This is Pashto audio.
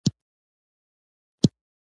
قابلې وويل د دې ناروغې حالت کړکېچن ښکاري.